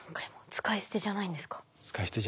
使い捨てじゃないです。